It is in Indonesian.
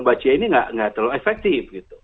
bacia ini tidak terlalu efektif